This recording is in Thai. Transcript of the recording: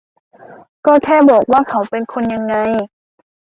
ก็แค่บอกว่าเขาเป็นคนยังไง